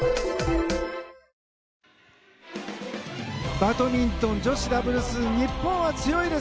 バドミントン女子ダブルス日本は強いです！